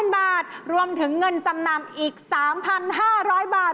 บาทรวมถึงเงินจำนำอีก๓๕๐๐บาท